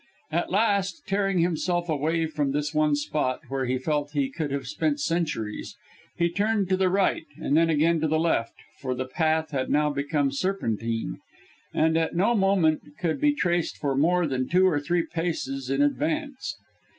At last tearing himself away from this one spot where he felt he could have spent centuries he turned to the right and then again to the left for the path had now become serpentine, and at no moment could be traced for more than two or three paces in advance.